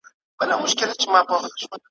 خان له زین او له کیزې سره را ستون سو ,